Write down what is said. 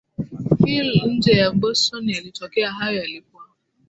Hill nje ya Boston yalitokea Hayo yalikuwa